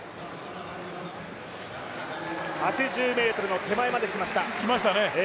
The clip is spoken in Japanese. ８０ｍの手前まで来ました。